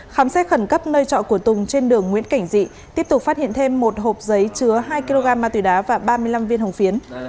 khám xét khẩn cấp nơi trọ của tùng trên đường nguyễn cảnh dị tiếp tục phát hiện thêm một hộp giấy chứa hai kg ma túy đá và ba mươi năm viên hồng phiến